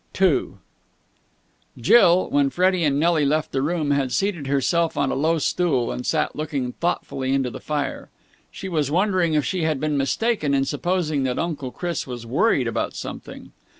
II Jill, when Freddie and Nelly left the room, had seated herself on a low stool, and sat looking thoughtfully into the fire. She was wondering if she had been mistaken in supposing that Uncle Chris was worried about something.